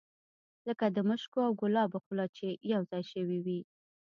لکه د مشکو او ګلابو خوله چې یو ځای شوې وي.